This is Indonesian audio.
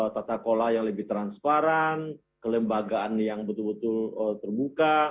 tata kola yang lebih transparan kelembagaan yang betul betul terbuka